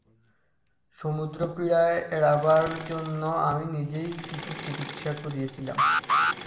সমুদ্রপীড়া এড়াবার জন্য আমি নিজেই কিছু চিকিৎসা করেছিলাম।